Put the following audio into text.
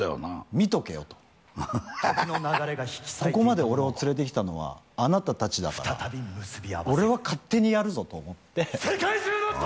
見とけよとハハハハここまで俺を連れてきたのはあなた達だから俺は勝手にやるぞと思ってああ